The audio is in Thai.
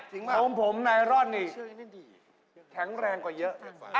ของผมนายร่อนนี่แข็งแรงกว่าเยอะ